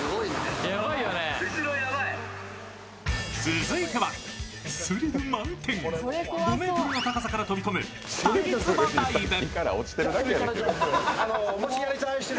続いてはスリル満点、５ｍの高さから飛び込む滝つぼダイブ。